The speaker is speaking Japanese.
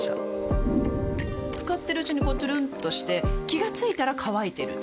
使ってるうちにこうトゥルンとして気が付いたら乾いてる